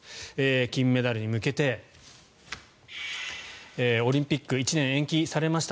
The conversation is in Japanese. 金メダルに向けてオリンピック１年延期されました